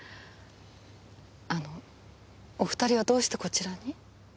あのお二人はどうしてこちらに？